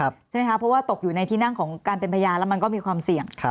เพราะว่าตกอยู่ในที่นั่งของการเป็นพยานแล้วมันก็มีความเสี่ยง